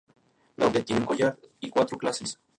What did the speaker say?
La Orden tiene un collar y cuatro clases.